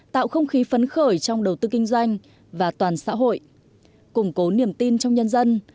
tạo không khí phấn khởi trong đầu tư kinh doanh và toàn xã hội củng cố niềm tin trong nhân dân